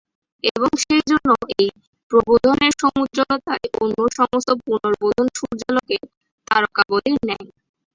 এবং সেই জন্য এই প্রবোধনের সমুজ্জ্বলতায় অন্য সমস্ত পুনর্বোধন সূর্যালোকে তারকাবলীর ন্যায়।